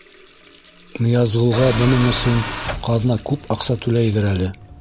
— Ныязғолға бының өсөн ҡаҙна күп аҡса түләйҙер әле.